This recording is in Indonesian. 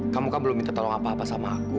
kamu kan belum minta tolong apa apa sama aku